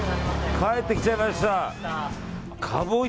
帰ってきちゃいました。